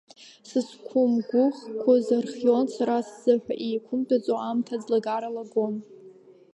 Сызқәымгәыӷқәоз архион сара сзыҳәа, еиқәымтәаӡо аамҭа аӡлагара лагон.